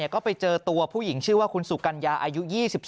ก็ไปเจอตัวผู้หญิงชื่อว่าคุณสุกัญญาอายุ๒๒